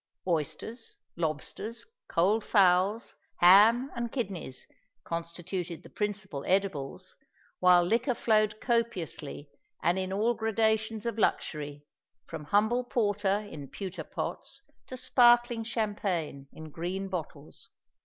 Oysters, lobsters, cold fowls, ham, and kidneys, constituted the principal edibles; while liquor flowed copiously and in all gradations of luxury, from humble porter in pewter pots to sparkling champagne in green bottles.